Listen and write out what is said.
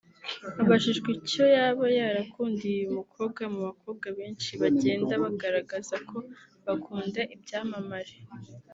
Abajijwe icyo yaba yarakundiye uyu mukobwa mu bakobwa benshi bagenda bagaragaza ko bakunda ibyamamare